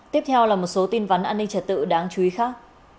tiếp theo là một số tin vấn an ninh trật tự đáng chú ý khác